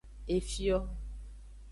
Efio.